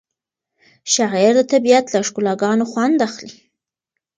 شاعر د طبیعت له ښکلاګانو خوند اخلي.